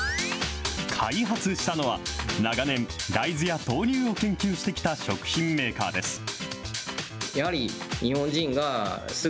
開発したのは、長年、大豆や豆乳を研究してきた食品メーカーです。